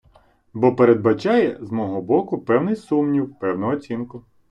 Бо передбачає з мого боку певний сумнів, певну оцінку.